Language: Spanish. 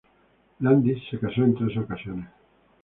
Landis se casó en tres ocasiones.